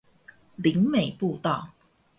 林美步道